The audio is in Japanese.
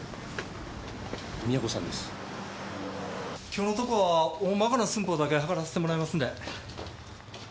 今日のとこはおおまかな寸法だけ測らせてもらいますんで。